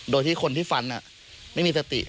โดยที่คนที่ฟันไม่มีสติ